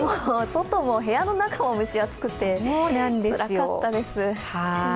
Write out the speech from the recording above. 外も部屋の中も蒸し暑くてつらかったです。